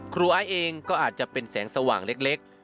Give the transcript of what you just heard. ไอ้เองก็อาจจะเป็นแสงสว่างเล็ก